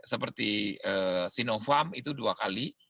seperti sinovac itu dua kali